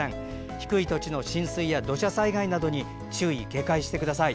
低い土地の浸水や土砂災害などに注意・警戒してください。